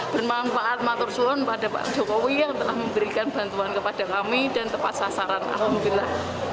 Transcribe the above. bermanfaat matur suron pada pak jokowi yang telah memberikan bantuan kepada kami dan tepat sasaran alhamdulillah